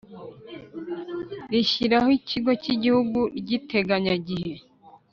rishyiraho Ikigo cy Igihugu ryiteganya gihe